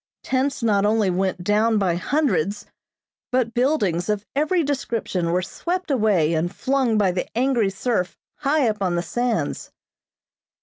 Tents not only went down by hundreds, but buildings of every description were swept away and flung by the angry surf high up on the sands.